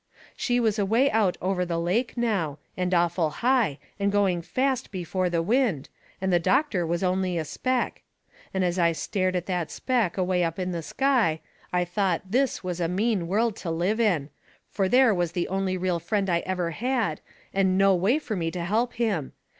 She was away out over the lake now, and awful high, and going fast before the wind, and the doctor was only a speck. And as I stared at that speck away up in the sky I thought this was a mean world to live in. Fur there was the only real friend I ever had, and no way fur me to help him.